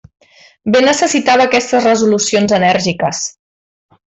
Bé necessitava aquestes resolucions enèrgiques.